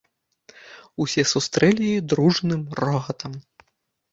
Усе сустрэлі яе дружным рогатам.